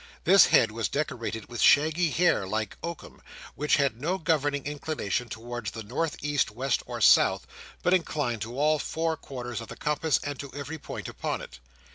This head was decorated with shaggy hair, like oakum, which had no governing inclination towards the north, east, west, or south, but inclined to all four quarters of the compass, and to every point upon it.